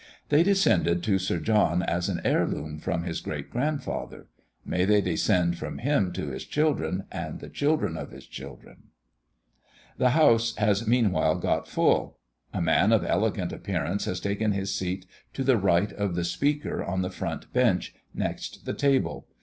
They descended to Sir John as an heir loom from his great grandfather. May they descend from him to his children and the children of his children! The house has meanwhile got full. A man of elegant appearance has taken his seat to the right of the speaker on the front bench, next the table.